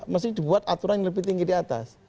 mesti dibuat aturan yang lebih tinggi di atas